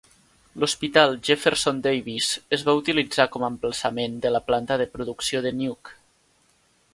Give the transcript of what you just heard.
L'hospital Jefferson Davis es va utilitzar com a emplaçament de la planta de producció de Nuke.